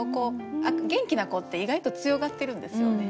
元気な子って意外と強がってるんですよね。